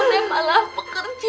kamu tepalah pekerja